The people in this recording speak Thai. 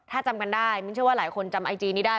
ถ้าจำกันได้มิ้นเชื่อว่าหลายคนจำไอจีนี้ได้